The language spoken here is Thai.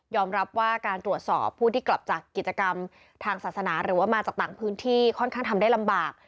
รับว่าการตรวจสอบผู้ที่กลับจากกิจกรรมทางศาสนาหรือว่ามาจากต่างพื้นที่ค่อนข้างทำได้ลำบาก